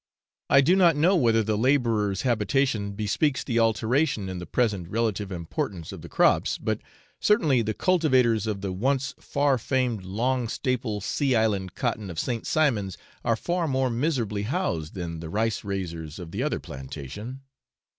I do not know whether the labourer's habitation bespeaks the alteration in the present relative importance of the crops, but certainly the cultivators of the once far famed long staple sea island cotton of St. Simon's are far more miserably housed than the rice raisers of the other plantation.